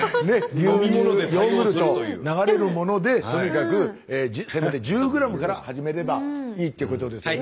牛乳ヨーグルト流れるものでとにかくせめて１０ｇから始めればいいっていうことですね。